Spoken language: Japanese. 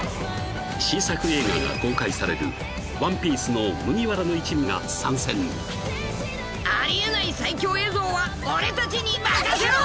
［新作映画が公開される『ＯＮＥＰＩＥＣＥ』の麦わらの一味が参戦］ありえない最強映像は俺たちに任せろ！